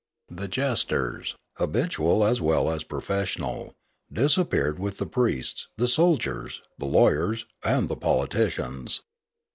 The jesters, habitual as well as profes sional, disappeared with the priests, the soldiers, the lawyers, and the politicians.